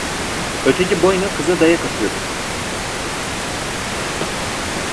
Öteki boyna kıza dayak atıyordu.